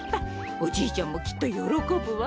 おじいちゃんもきっとよろこぶわ。